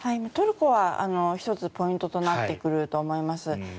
トルコは１つポイントとなってくると思います。